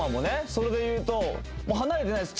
それでいうともう離れてないです